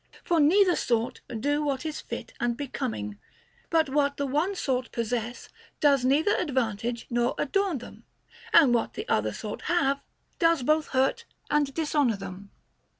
For neither sort do what is fit and becoming ; but what the one sort possess does neither advantage nor adorn them, and what the other sort have does both hurt and dishonor them.